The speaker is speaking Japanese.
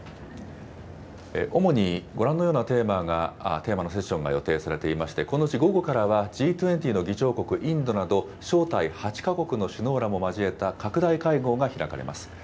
主にご覧のようなテーマのセッションが予定されていまして、このうち午後からはＧ２０の議長国、インドなど、招待８か国の首脳らも交えた拡大会合が開かれます。